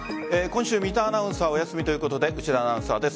今週、三田アナウンサーお休みということで内田アナウンサーです。